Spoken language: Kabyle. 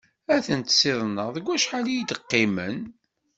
Ad ten-siḍnen deg wacḥal i d-yeqqimen.